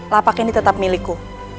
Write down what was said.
lapak ini tetap milikku